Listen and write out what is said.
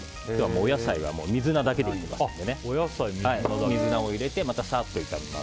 お野菜は水菜だけでいきますので水菜を入れてさっと炒めます。